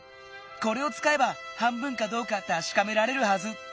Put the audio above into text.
これをつかえば半分かどうかたしかめられるはず！